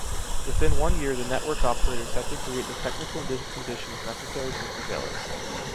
Within one year the network operators had to create the technical conditions necessary for surveillance.